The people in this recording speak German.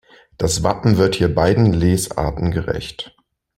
Das Wappen wird hier beiden Lesarten gerecht.